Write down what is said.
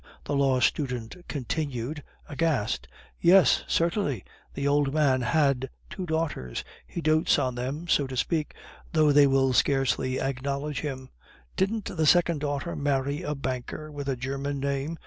the law student continued, aghast. "Yes, certainly; the old man had two daughters; he dotes on them, so to speak, though they will scarcely acknowledge him." "Didn't the second daughter marry a banker with a German name?"